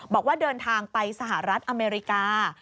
บอกว่าเดินทางไปสหรัฐอเมริกา